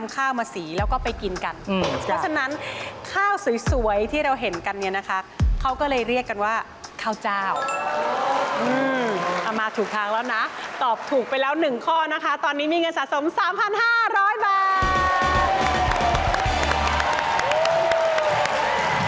ความเป็นเวลาเหมือนกันว่าข้าวจ้าวเอามาถูกทางแล้วนะตอบถูกไปแล้ว๑ข้อนะคะตอนนี้มีเงินสะสม๓๕๐๐บาท